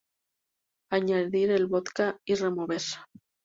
Añadir el vodka y remover.